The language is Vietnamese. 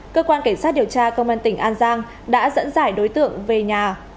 cơ quan cảnh sát điều tra công an tỉnh an giang đã dẫn dải đối tượng về nhà